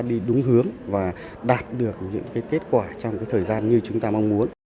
đi đúng hướng và đạt được những kết quả trong thời gian như chúng ta mong muốn